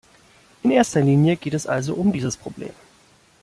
In erster Linie geht es also um dieses Problem.